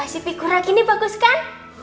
si figura gini bagus kan